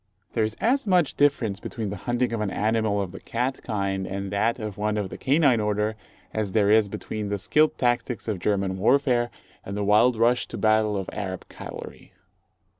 There is as much difference between the hunting of an animal of the cat kind and that of one of the canine order, as there is between the skilled tactics of German warfare, and the wild rush to battle of Arab cavalry.